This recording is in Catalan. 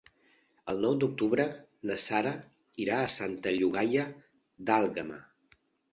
El nou d'octubre na Sara irà a Santa Llogaia d'Àlguema.